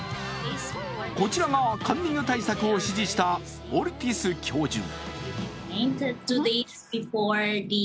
こちらがカンニング対策を指示したオルティス教授。